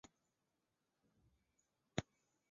影响血液循环